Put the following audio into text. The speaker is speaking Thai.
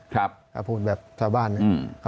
กภูนิแบบซาว่าบ้าน